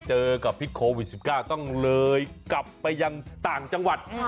เจอกับพิษโควิด๑๙ต้องเลยกลับไปยังต่างจังหวัด